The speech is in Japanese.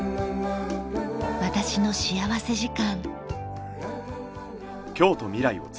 『私の幸福時間』。